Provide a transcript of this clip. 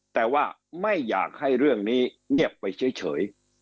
แต่ว่าไม่อยากให้เรื่องนี้เงียบไปเฉย